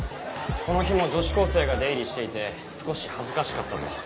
この日も女子高生が出入りしていて少し恥ずかしかったと。